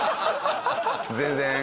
全然。